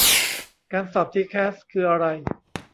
การสอบทีแคสคืออะไร